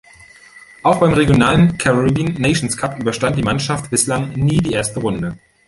Auch beim regionalen Caribbean Nations Cup überstand die Mannschaft bislang nie die erste Runde.